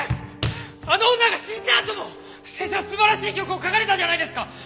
あの女が死んだあとも先生は素晴らしい曲を書かれたじゃないですか。